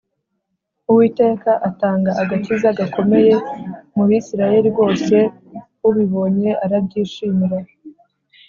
Uwiteka atanga agakiza gakomeye mu Bisirayeli bose, ubibonye urabyishimira.